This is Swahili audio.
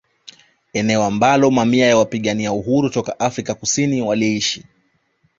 Eneo ambalo mamia ya wapigania uhuru toka Afrika Kusini waliishi